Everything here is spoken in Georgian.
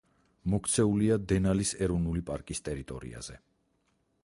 მოქცეულია დენალის ეროვნული პარკის ტერიტორიაზე.